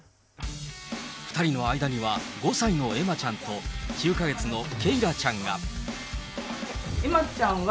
２人の間には、５歳の恵麻ちゃんと９か月のけいらちゃんが。